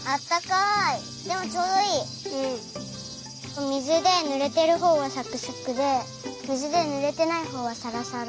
お水でぬれてるほうがサクサクで水でぬれてないほうはサラサラ。